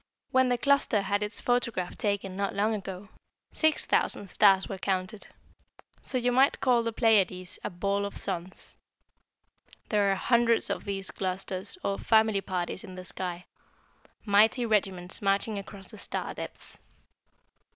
When the cluster had its photograph taken, not long ago, six thousand stars were counted, so you might call the Pleiades a 'ball of suns.' There are hundreds of these clusters, or 'family parties,' in the sky mighty regiments marching across the star depths."